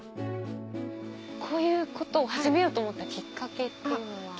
こういうことを始めようと思ったきっかけっていうのは？